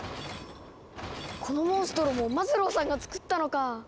このモンストロもマズローさんがつくったのか。